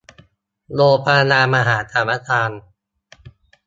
โรงพยาบาลมหาสารคาม